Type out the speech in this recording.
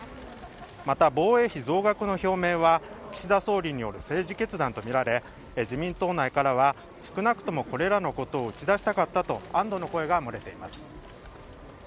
また、防衛費増額の表明は岸田総理による政治決断とみられ自民党内からは少なくともこれらのことは打ち出したかったと安堵の声が漏れています。